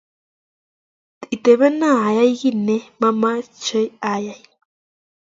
itebeno ayai kiy ne mamache ayai